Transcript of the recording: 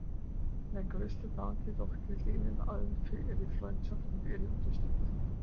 Mein größter Dank jedoch gilt Ihnen allen für Ihre Freundschaft und Ihre Unterstützung.